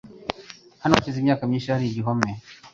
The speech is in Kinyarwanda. Hano hashize imyaka myinshi hari igihome.